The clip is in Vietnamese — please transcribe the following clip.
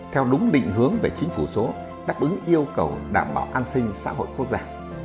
theo đúng định hướng về chính phủ số đáp ứng yêu cầu đảm bảo an sinh xã hội quốc gia